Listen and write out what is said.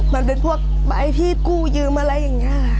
มันเป็นพวกใบที่กู้ยืมอะไรอย่างนี้ค่ะ